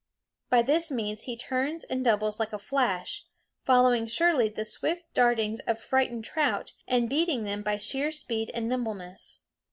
By this means he turns and doubles like a flash, following surely the swift dartings of frightened trout, and beating them by sheer speed and nimbleness.